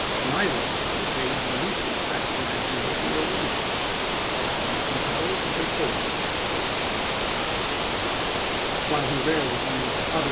Neither side pays the least respect to my uLfis, appeals to your reason. I am now compelled to voi.xxii.; take hold of the case." While he rarely used other p.